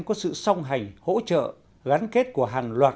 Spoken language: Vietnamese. có sự song hành hỗ trợ gắn kết của hàng loạt